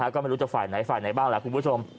ก็ไม่รู้จะฝ่ายไหนฝ่ายไหนบ้างแหละคุณผู้ชม